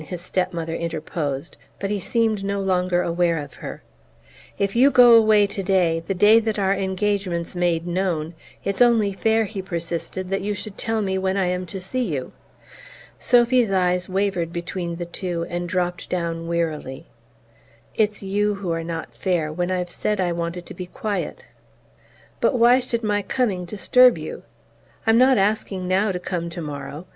his step mother interposed; but he seemed no longer aware of her. "If you go away today, the day that our engagement's made known, it's only fair," he persisted, "that you should tell me when I am to see you." Sophy's eyes wavered between the two and dropped down wearily. "It's you who are not fair when I've said I wanted to be quiet." "But why should my coming disturb you? I'm not asking now to come tomorrow.